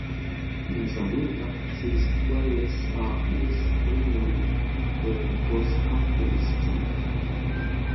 In the winter, these trails are used primarily for cross-country skiing.